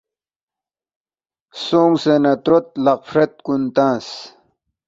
سونگسے نہ تروت لقفرت کُن تنگس